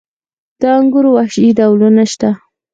د انګورو وحشي ډولونه شته؟